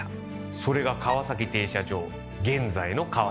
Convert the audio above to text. それが川崎停車場現在の川崎駅です。